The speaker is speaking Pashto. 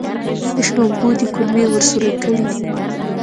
په شړومبو دې کولمې ور سورۍ کړې دي.